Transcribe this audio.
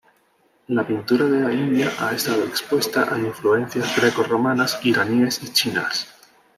La pintura de la India ha estado expuesta a influencias greco-romanas, iraníes y chinas.